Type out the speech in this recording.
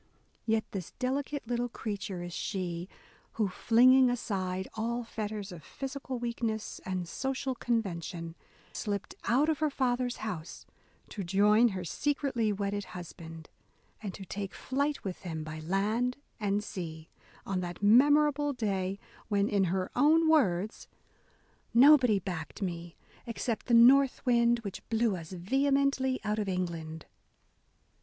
Yet this delicate little crea ture is she who, flinging aside all fetters of physical weakness and social convention, slipped out of her father's house to join her secretly wedded husband, and to take flight with him by land and sea, — on that memorable day when, in her own words, "nobody backed me except the North Wind which blew us vehemently out of England."